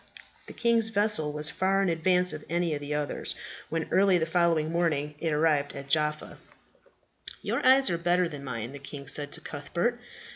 The king's vessel was far in advance of any of the others, when early the following morning it arrived at Jaffa. "Your eyes are better than mine," the king said to Cuthbert.